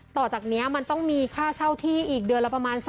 ต่อจากนี้มันต้องมีค่าเช่าที่อีกเดือนละประมาณ